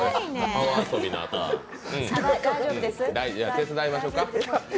手伝いましょうか？